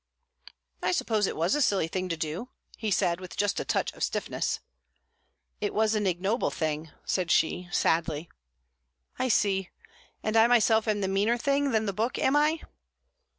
"I suppose it was a silly thing to do," he said, with just a touch of stiffness. "It was an ignoble thing," said she, sadly. "I see. And I myself am the meaner thing than the book, am I?"